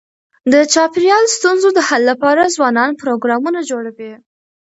د چاپېریال ستونزو د حل لپاره ځوانان پروګرامونه جوړوي.